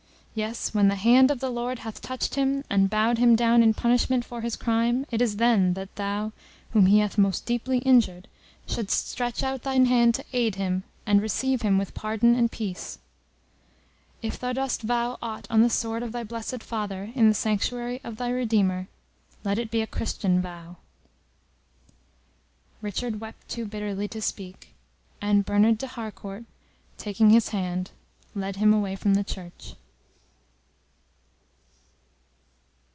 Yes, when the hand of the Lord hath touched him, and bowed him down in punishment for his crime, it is then, that thou, whom he hath most deeply injured, shouldst stretch out thine hand to aid him, and receive him with pardon and peace. If thou dost vow aught on the sword of thy blessed father, in the sanctuary of thy Redeemer, let it be a Christian vow." Richard wept too bitterly to speak, and Bernard de Harcourt, taking his hand, led him away from the Church.